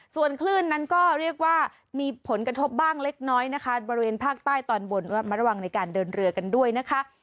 ส่วนคลื่นนั้นก็เรียกว่ามีผลกระทบบ้างเล็กน้อยนะคะบริเวณภาคใต้ตอนบนมาระวังในการเดินเรือกันด้วยนะคะ